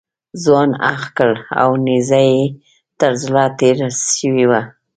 ځوان اخ کړل او نیزه یې تر زړه تېره شوې وه.